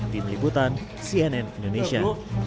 tim liputan cnn indonesia